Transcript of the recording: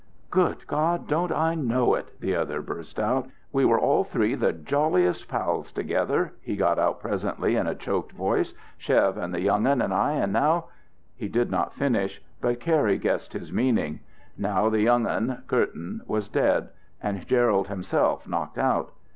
"Good God, don't I know it!" the other burst out. "We were all three the jolliest pals together," he got out presently in a choked voice, "Chev and the young un and I; and now " He did not finish, but Cary guessed his meaning. Now the young un, Curtin, was dead, and Gerald himself knocked out.